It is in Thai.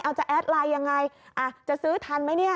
เอาจะแอดไลน์ยังไงจะซื้อทันไหมเนี่ย